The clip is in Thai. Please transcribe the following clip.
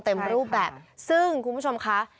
เต็มรูปแบบซึ่งคุณผู้ชมคะ